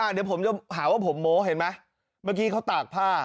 เดี๋ยวผมจะหาว่าผมโม้เห็นไหมเมื่อกี้เขาตากผ้า